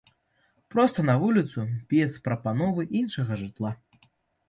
Проста на вуліцу, без прапановы іншага жытла.